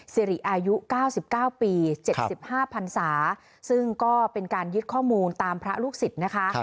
สิริอายุ๙๙ปี๗๕พันศาซึ่งก็เป็นการยึดข้อมูลตามพระลูกศิษย์นะคะ